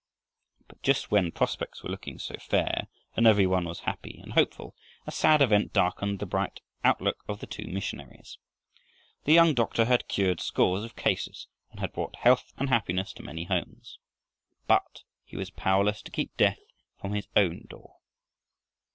But just when prospects were looking so fair and every one was happy and hopeful, a sad event darkened the bright outlook of the two missionaries. The young doctor had cured scores of cases, and had brought health and happiness to many homes, but he was powerless to keep death from his own door.